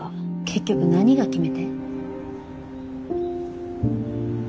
結局何が決め手？